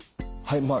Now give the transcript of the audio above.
はい。